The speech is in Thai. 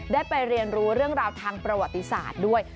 ได้ไปเรียนรู้เรื่องราวทางประวัติศาสตร์ด้วย